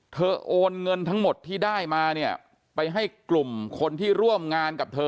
โอนเงินทั้งหมดที่ได้มาเนี่ยไปให้กลุ่มคนที่ร่วมงานกับเธอ